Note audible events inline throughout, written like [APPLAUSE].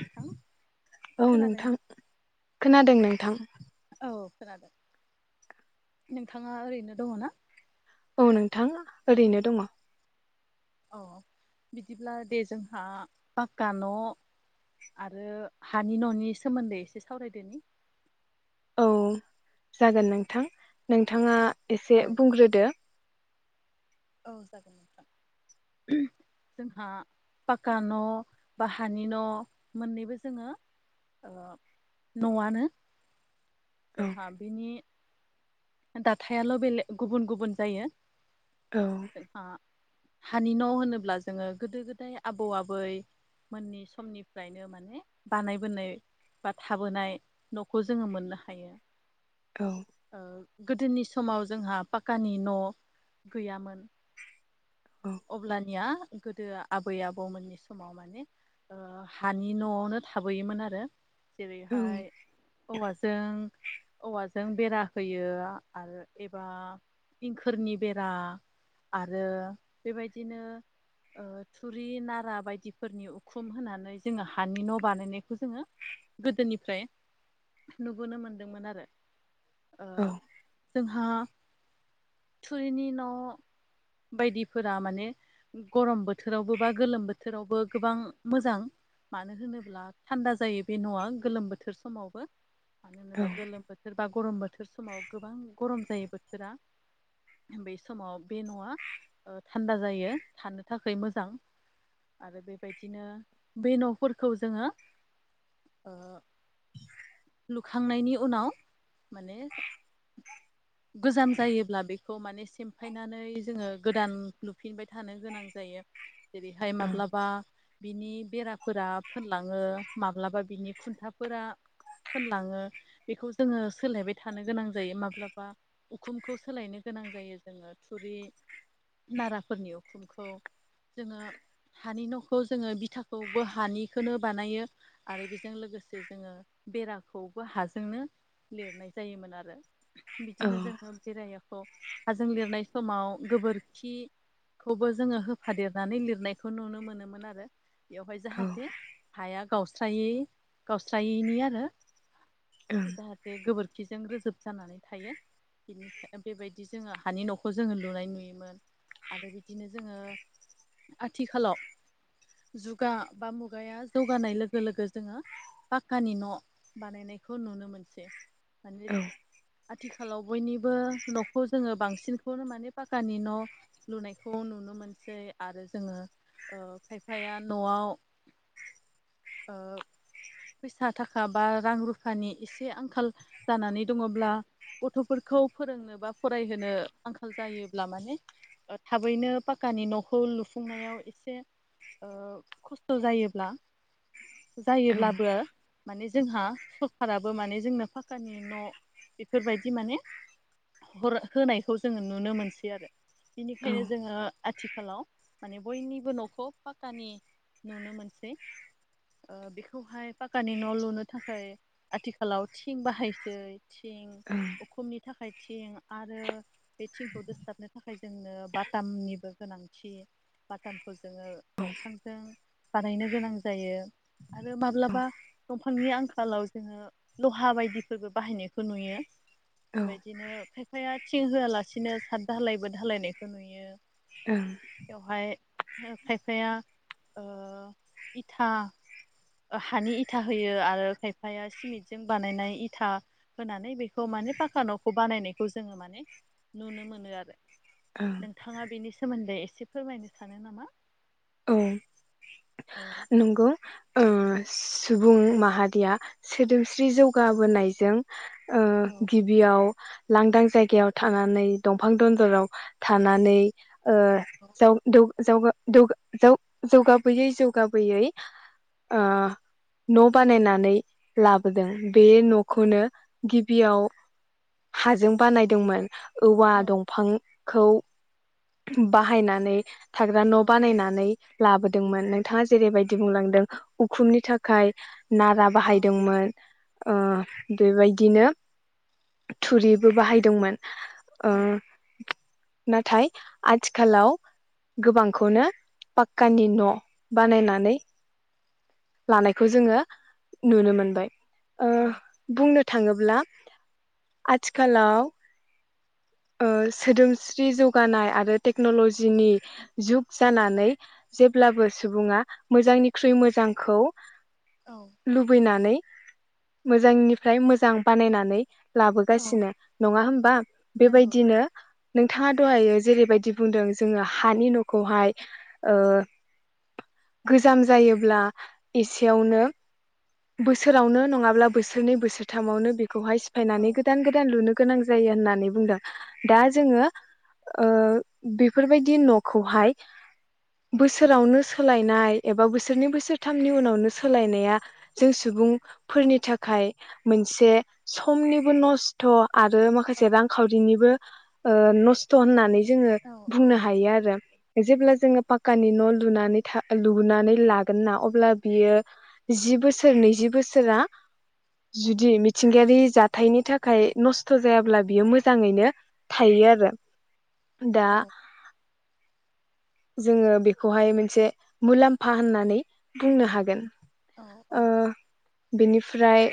नोंथां औ खोनादोंना नोंथां खोनादों नोंथां औ खोनादों नोंथाङा ओरैनो दङ ना? औ नोंथां ओरैनो दङ। औ बिदिब्ला दे जोंहा पाक्का न' आरो हानि न'नि सोमोन्दै एसे सावरायदोनि। औ जागोन नोंथां नोंथाङा एसे औ बुंग्रोदो। औ जागोन नोंथां। जोंहा पाक्का न' बा हानि न' मोननैबो जोङो न'आनो औ जोंहा बिनि दाथायाल' बेले गुबुन गुबुन जायो औ जोंहा हानि न' होनोब्ला जोङो गोदो गोदाय आबौ आबै मोननि समनिफ्रायनो माने बानायबोनाय बा थाबोनाय न'खौ जोङो मोननो हायो। औ। ओ गोदोनि समाव जोंहा पाक्कानि न' गैयामोन। अब्लानिया गोदो आबै आबौमोननि समाव माने ओ हानि न'आवनो थाबोयोमोन आरो। औ जेरैहाय हौवाजों औवाजों बेरा होयो आरो एबा इंखोरनि बेरा आरो बेबायदिनो ओ थुरि नारा बायदिफोरनि उखुम होनानै जोङो हानि न' बानायनायखौ जोङो गोदोनिफ्राय नुबोनो मोनदोंमोन आरो। ओ औ जोंहा थुरिनि न' बायदि फोरा माने गरम बोथोरावबो बा गोलोम बोथोरावबो गोबां मोजां। मानो होनोब्ला थान्दा जायो बे न'आ गोलोम बोथोर समावबो। मानो औ होनोबा गोलोम बोथोर बा गरम बोथोर समाव गोबां गरम जायो बोथोरा। बै समाव बे न'आ थान्दा जायो थानो थाखाय मोजां। आरो बेबायदिनो बे न'फोरखौ जोङो ओ लुखांनायनि उनाव माने गोजाम जायोब्ला बेखौ माने सिफायनानै जोङो गोदान लुफिनबाय थानो गोनां जायो जेरैहाय औ माब्लाबा बिनि बेराफोरा फोनलाङो माब्लाबा बिनि खुन्थाफोरा फोनलाङो बेखौ जोङो सोलायबाय थानो गोनां जायो माब्लाबा उखुमखौ सोलायनो गोनां जायो जोङो थुरि नाराफोरनि उखुमखौ जोङो हानि न'खौ जोङो बिथाखौबो हानिखौनो बानायो आरो बेजों लोगोसे जोङो बेराखौबो हाजोंनो लिरनाय जायोमोन आरो। बिदिनो जोङो बेराखौ हाजों लिरनाय समाव गोबोर खि खौबो जोङो होफादेरनानै लिरनायखौ नुनो मोनोमोन आरो। बेवहाय औ जाहाथे हाया गावस्रायै गावस्रायैनि आरो। जाहाथे गोबोर खिजों रोजोब जानानै थायो बिनि बेबायदि जोङो हानि न'खौ जोङो लुनाय नुयोमोन। आरो बिदिनो जोङो आथिखालाव जुगा बा मुगाया जौगानाय लोगो लोगो जोङो पाक्कानि न' बानायनायखौ नुनो मोनसै माने औ आथिखालाव बयनिबो न'खौ जोङो बांसिनखौनो माने पाक्कानि न' लुनायखौ नुनो मोनसै आरो जोङो खायफाया न'आव फैसा थाखा बा रां रुफानि एसे आंखाल जानानै दङब्ला। गथ'फोरखौ फोरोंनो बा फरायहोनो आंखाल जायोब्ला माने। थाबैनो पाक्कानि न'खौ लुफुंनायाव एसे खस्थ' जायोब्ला औ जायोब्लाबो माने जोंहा सरखाराबो माने जोंनो फाक्कानि न' बेफोरबायदि माने हर होनायखौ जोङो नुनो मोनसै आरो। बिनिखायनो ओं जोङो आथिखालाव माने बयनिबो न'खौ फाक्कानि नुनो मोनसै ओ बेखौहाय पाक्कानि न' लुनो थाखाय आथिखालाव थिं बाहायसै। थिं उखुमनि थाखाय थिं आरो बे थिंखौ दोसथाबनो थाखाय। जोंनो बाटामनिबो गोनांथि। बाटामखौ जोङो दंफांजों बानायनो गोनां जायो। आरो माब्लाबा दंफांनि आंखालाव जोङो लहा बायदिफोरबो बाहायनायखौ नुयो। बेबायदिनो खायफाया थिं होआलासिनो साद धालायबो धालायनायखौ नुयो। ओं। बेवहाय खायफाया ओ इथा हानि इथा होयो आरो खायफाया सिमेन्टजों बानायनाय इथा होनानै बेखौ माने ने पाखा न'खौ बानायनायखौ जोङो माने नुनो मोनो आरो। नोंथाङा बेनि सोमोन्दै एसे फोरमायनो सानो नामा? औ औ नंगौ। ओ सुबुं माहारिया सोदोमस्रि जौगाबोनायजों ओ औ गिबियाव लांदां जायगायाव थानानै दंफां दन्दराव थानानै ओ जाव दौ जावगा दौ जौ जौगाबोयै जौगाबोयै ओ न' बानायनानै लाबोदों बे न'खौनो गिबियाव हाजों बानायदोंमोन। औवा औ दंफांखौ बाहायनानै थाग्रा औ न' बानायना लाबोदोंमोन नोंथाङा जेरैबायदि बुंलांदों उखुमनि थाखाय। नारा औ बाहायदोंमोन ओ बेबायदिनो थुरिबो बाहायदोंमोन। ओ औ नाथाय आथिखालाव गोबांखौनो पाक्कानि न' बानायनानै लानायखौ जोङो नुनो मोनबाय ओ औ बुंनो थाङोब्ला आथिखालाव [INAUDIBLE] ओ सोदोमस्रि जौगानाय आरो टेक्नलजिनि जुग जानानै जेब्लाबो सुबुङा मोजांनिख्रुइ मोजांखौ औ लुबैनानै मोजांनिफ्राय मोजां बानायनानै औ लाबोगासिनो नङा होमबा नंगौ बेबायदिनो नोंथाङा। दहायो जेरैबायदि बुंदों जोङो हानि न'खौहाय ओ गोजाम जायोब्ला एसेयावनो बोसोरावनो नङाब्ला बोसोरनै बोसोरथामावनो बे खौहाय औ सिफायनानै गोदान गोदान लुनो गोनां जायो होननानै बुंदों दा औ जोङो ओ बेफोरबायदि न'खौहाय बोसोरावनो सोलायनाय एबा बोसोरनै बोसोरथामनि उनावनो सोलायनाया जों सु बुंफोरनि थाखाय मोनसे समनिबो नस्थ' आरो औ माखासे रांखावरिनिबो ओ नस्थ' होन्नानै। जोङो औ बुंनो हायो आरो जेब्ला जोङो खानि न' ल लुनानै था लुनानै लागोन ना अब्ला बियो जि बोसोर नैजि बोसो सोरा जुदि मिथिंगायारि जाथायनि थाखाय नस्थ' जायाब्ला बियो मोजाङैनो थायो। आरो दा औ जोङो बेखौहाय मोनसे मुलाम्फा होननानै बुंनो हागोन। औ औ ओ बेनिफ्राय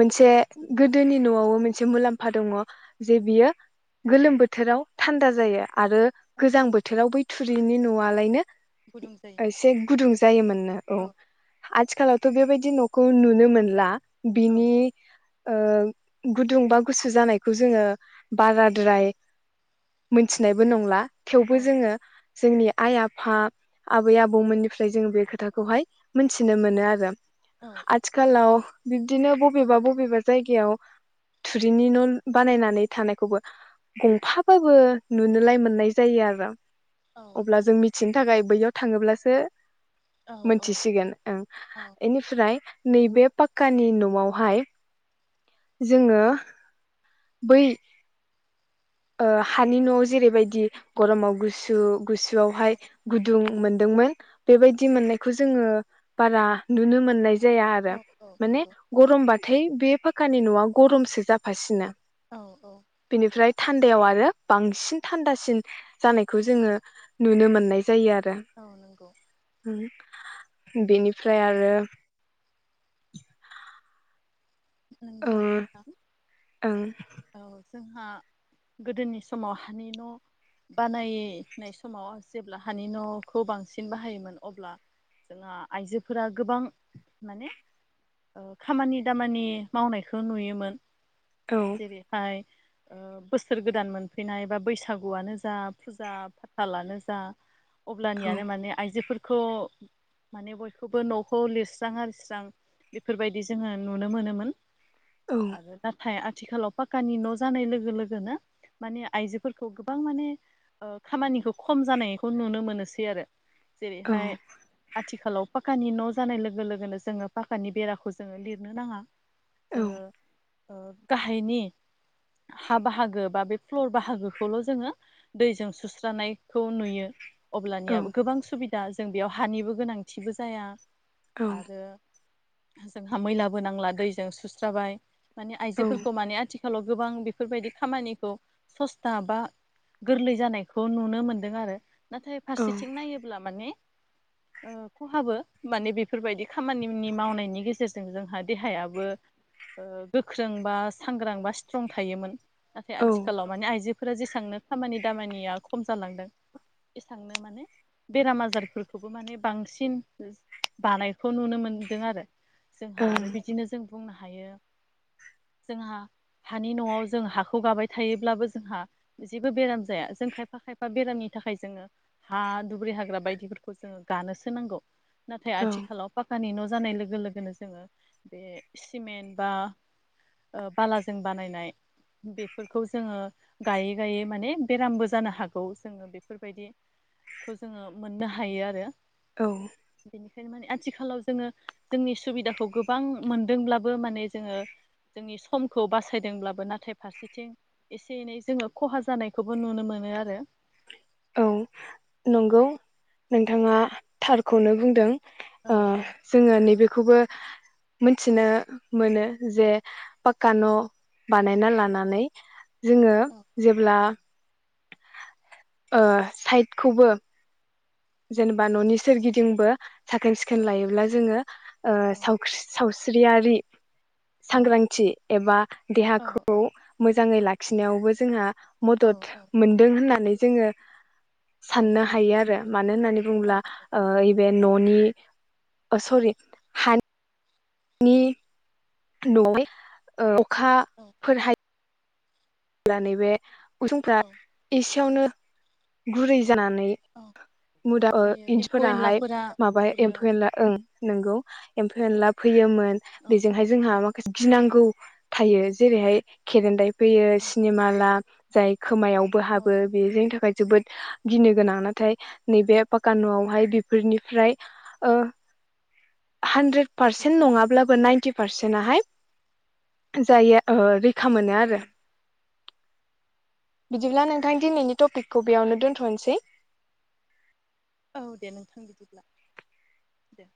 मोनसे गोदोनि न'आवबो मोनसे मुलाम्फा दङ जे बियो गोलोम बोथोराव थान्दा जायो आरो औ गोजां बोथोराव बै थुरिनि न'आलायनो गुदुं जायो एसे गुदुं जायोमोननो औ आथिखालाव थ' बेबायदि न'खौ नुनो मोनला औ बिनि ओ गुदुं बा गुसु जानायखौ जोङो बाराद्राय मोनथिनायबो नंला औ थेवबो जोङो जोंनि आइ-आफा, आबै-आबौमोननिफ्राय जोङो बे खोथाखौहाय मोनथिनो मोनो आरो। औ आथिखालाव बिब्दिनो बबेबा बबेबा जायगायाव थुरिनि न' बानायनानै थानायखौबो गंफाबाबो नुनोलाय मोननाय जायो आरो। अब्ला जों मिथिनो थाखाय बैयाव थाङोब्लासो औ औ मोनथिसिगोन ओं बेनिफ्राय नैबे पाकानि न'आवहाय जोङो बै ओ हानि न'आव जेरैबायदि गरमाव गुसु औ गुसुआवहाय गुदुं मोनदोंमोन बेबायदि मोननायखौ जोङो बारा नुनो मोननाय जाया औ आरो औ माने नंगौ गरमबाथाय बे फाकानि न'आ गरमसो जाफासिनो औ बिनिफ्राय थान्दायाव आरो बांसिन थान्दासिन जानायखौ जोङो नुनो मोननाय जायो आरो। औ नंगौ बेनिफ्राय आरो औ नंगौ नोंथां ओं औ जोंहा गोदोनि समाव हानि न' बानायनाय समाव जेब्ला हानि न'खौ बांसिन बाहायोमोन अब्ला जोंहा आइजोफोरा गोबां माने औ खामानि दामानि मावनायखौ नुयोमोन। जेरैहाय ओ बोसोर गोदान मोनफैनाय, बा बैसागुआनो जा फुजा फाथालानो जा अब्लानियानो माने आइजोफोरखौ माने बयखौबो न'खौ लिरस्रां आरिस्रां बेफोरबायदि जोङो नुनो मोनोमोन। औ आरो नाथाय आथिखालाव पाक्कानि न' जानाय लोगो लोगोनो माने आइजोफोरखौ गोबां माने खामानिखौ खम जानायखौ नुनो मोनोसै आरो औ जेरैहाय आथिखालाव पाखानि न' जानाय लोगो लोगोनो जोङो पाखानि बेराखौ जोङो लिरनो नाङा। औ जोङो ओ गाहायनि हा बाहागो बा बे फ्लर बाहागोखौल' जोङो दैजों सुस्रानायखौ नुयो। औ अब्लानिया गोबां सुबिदा जों बेयाव हानिबो गोनांथिबो जाया। औ आरो जोंहा मैलाबो नांला दैजों सुस्राबाय माने आइजोफोरखौ औ माने आथिखालाव गोबां बेफोरबायदि खामानिखौ सस्था बा गोरलै जानायखौ नुनो मोनदों आरो। नाथाय औ फारसेथिं नायोब्ला माने ओ खहाबो माने बेफोरबायदि खामानिनि मावनायनि गेजेरजों जोंहा देहायाबो ओ गोख्रों बा सांग्रां बा स्ट्रं थायोमोन। नाथाय औ आथिखालाव मान आइजो फोरा जेसांनो खामानि दामानिया खम जालांदों एसेबांनो माने। बेराम आजारफोरखौबो माने बांसिन बानायखौ नुनो मोनदों आरो। जोंहा आरो बिदिनो जों बुंनो हायो जोंहा। हानि न'आव जों हाखौ गाबाय थायोब्लाबो जोंहा जेबो बेराम जाया जों खायफा खायफा बेरामनि। थाखाय जोङो हा, दुब्रि हाग्रा बायदिफोरखौ जोङो गानोसो नांगौ। नाथाय ओं आथिखालाव पाक्कनि न'। जानाय लोगो लोगोनो जोङो बे सिमेन्ट बा। बालाजों बानायनाय। बेफोरखौ जोङो गायै गायै माने बेरामबो जानो हागौ जोङो बेफोरबायदि खौ जोङो मोननो हायो आरो। औ। माने आथिखालाव जोङो जोंनि सुबिदाखौ गोबां मोनदोंब्लाबो माने जोङो। जोंनि समखौ बासायदोंब्लाबो नाथाय फारसेथिं एसे एनै जोङो खहा जानायखौबो नुनो मोनो। आरो। औ नंगौ नोंथाङा थारखौनो बुंदों। औ ओ औ जोङो नैबेखौबो। मोनथिनो मोनो जे पाक्का न'। बानायना लानानै। जोङो जेब्ला ओ साइडखौबो। जेनेबा न'नि सोरगिदिंबो। साखोन औ सिखोन लायोब्ला जोङो सावस्रि सावस्रियारि। औ सांग्रांथि एबा औ देहाखौ मोजाङै लाखिनायावबो जोंहा। औ मदद मोनदों होननानै जोङो औ साननो हायो आरो। मानो होननानै औ बुङोब्लाब ओ इभेन न'नि सरि हानि। नि न' ओ अखा औ फोरहाय। अब्ला नैबे उसुंफ्रा औ एसेयावनो गुरै जानानै। औ मुदा बोरै जायो एम्फौ इन्जुरफोराहाय एनलाफोरा माबा फुरो एम्फौ एनला ओं नोंगौ। एम्फौ एनला फैयोमोन औ बेजोंहाय जोंहा मा। गिनांगौ थायो जेरैहाय खेरेन्दाइ फैयो औ सिनेमाला जाय। खोमायावबो औ हाबो बे जोंनि थाखाय। जोबोद गिनो गोनां नाथाय नैबे पाक्का न'वावहाय बेफोरनिफ्राय। [INAUDIBLE] हानद्रेद पारसेन्ट रैखाथि मोनथारो नङाब्लाबो नाइन्टि पारसेन्टाहाय जायो ओ। खा मोनो औ आरो। औ बिदिब्ला नंगौ नोंथां दिनैनि टपिकखौ बेयावनो दोनथ'नोसै। औ दे नोंथां बिदिब्ला दे।